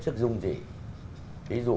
rất là đẹp